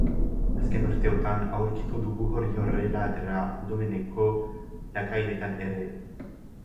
Azken urteotan aurkitu dugu hori horrela dela abdomeneko lakainetan ere.